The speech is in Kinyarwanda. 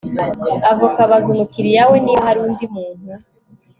avoka abaza umukiriya we niba hari undi muntu